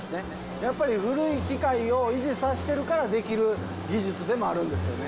やっぱり古い機械を維持させてるからできる技術でもあるんですよね。